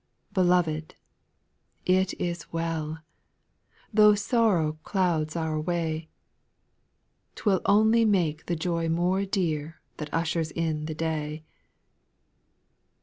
8. Beloved, " it is well I" Tho' sorrow clouds our way, 'T will only make the joy more dear That ushers in the day.